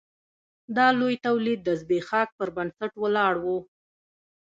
دا لوی تولید د ځبېښاک پر بنسټ ولاړ و.